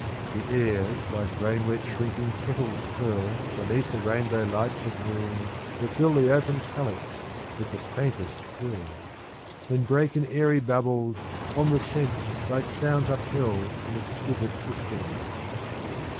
The airs like rain wet shrinking petals curl Beneath the rainbow lights of noon that fill The open calyx with the faintest thrill, Then break in airy bubbles on the sense Like sounds upheld in exquisite suspense.